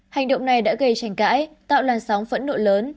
hành động này đã gây tranh cãi tạo làn sóng phẫn nộ lớn